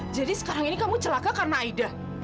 jadi sekarang ini kamu celaka karena aida